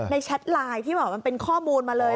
แชทไลน์ที่แบบมันเป็นข้อมูลมาเลย